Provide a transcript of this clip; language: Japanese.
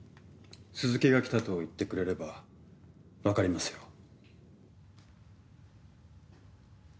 「鈴木が来た」と言ってくれればわかりますよ。